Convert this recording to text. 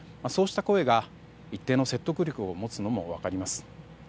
そうした声が一定の説得力を持つのも分かります。